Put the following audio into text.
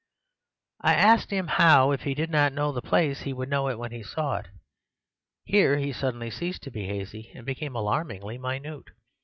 "I asked him how, if he did not know the place, he would know it when he saw it. Here he suddenly ceased to be hazy, and became alarmingly minute.